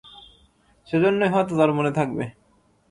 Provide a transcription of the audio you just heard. সে জন্যই হয়তো তাঁর মনে থাকবে।